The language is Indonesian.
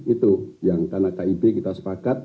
itu yang karena kib kita sepakat